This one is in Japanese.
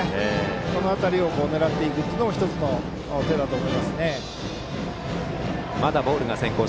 この辺りを狙っていくのも１つの手だと思います。